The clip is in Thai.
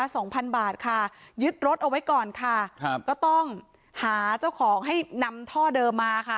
สองพันบาทค่ะยึดรถเอาไว้ก่อนค่ะครับก็ต้องหาเจ้าของให้นำท่อเดิมมาค่ะ